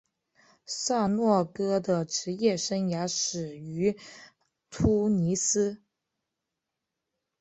萨诺戈的职业生涯始于突尼斯。